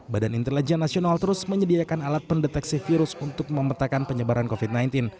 badan intelijen nasional terus menyediakan alat pendeteksi virus untuk memetakan penyebaran covid sembilan belas